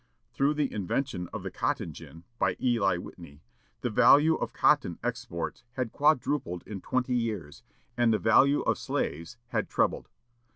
Through the invention of the cotton gin, by Eli Whitney, the value of cotton exports had quadrupled in twenty years, and the value of slaves had trebled.